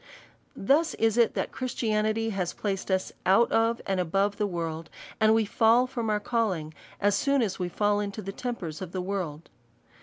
Thus it is that Christianity has placed us out of, and above the w orld ; and we fall from our calling, as soon as we fall into the tempers of the world.